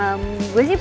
nama itu apa